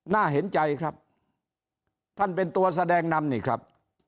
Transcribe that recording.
น่าเห็นใจครับท่านเป็นตัวแสดงนำนี่ครับ